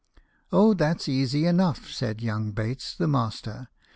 " Oh, that's easy enough," said young Bates, the master.